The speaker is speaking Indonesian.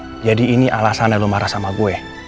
ya jadi ini alasan lo marah sama gue